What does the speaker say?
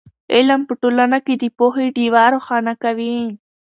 علم په ټولنه کې د پوهې ډېوه روښانه کوي.